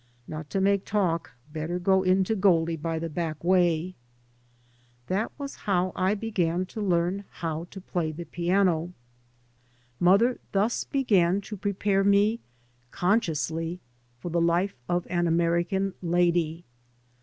Not to make talk, better go in to Goldie by the back way." ... That was how I began to learn how to play the piano. Mother thus began to prepare me — consciously — for the life of an Ameri can lady.